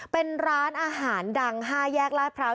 เป็นร้านอาหารดัง๕แยกลาดพร้าว